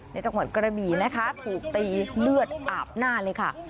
ในจังหวัดกระบี่นะคะถูกตีเลือดอาบหน้าเลยค่ะ